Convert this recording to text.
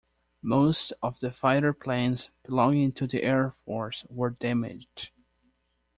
Most of the fighter planes belonging to the air force were damaged.